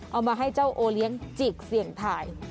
เอามาให้เจ้าโอเลี้ยงจิกเสี่ยงทาย